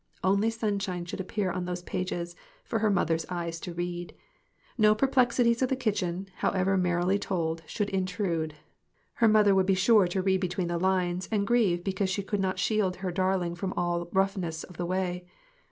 Only sunshine should appear on those pages for her mother's eyes to read. No perplexities of the kitchen, however merrily told, should intrude. Her mother would be sure to "read between the lines," and grieve because she could not shield her darling from all roughnesses of the way.